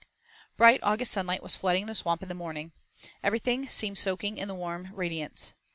IV Bright August sunlight was flooding the Swamp in the morning. Everything seemed soaking in the warm radiance.